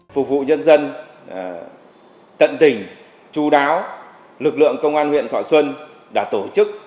phục vụ nhân dân tận tình chú đáo lực lượng công an huyện thọ xuân đã tổ chức